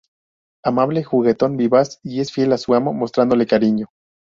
Amable, juguetón, vivaz y es fiel a su amo mostrándole cariño.